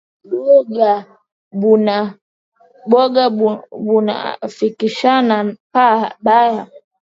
Bongo buna fikishanaka pa baya